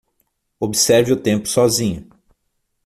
Observe o tempo sozinho